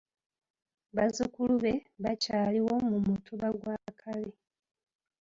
Bazzukulu be bakyaliwo mu Mutuba gwa Kabi.